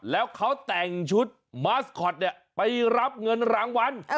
แล้วเขาแต่งชุดมาสคอตเนี่ยไปรับเงินรางวัล